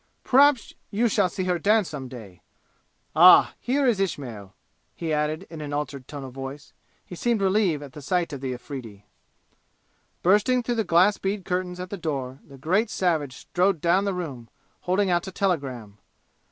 Perhaps you shall see her dance some day! Ah, here is Ismail," he added in an altered tone of voice. He seemed relieved at sight of the Afridi. Bursting through the glass bead curtains at the door, the great savage strode down the room, holding out a telegram.